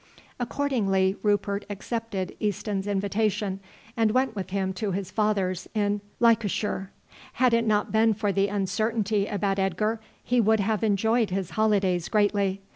Accordingly Rupert accepted Easton's invitation, and went with him to his father's in Leicestershire. Had it not been for the uncertainty about Edgar he would have enjoyed his holidays greatly.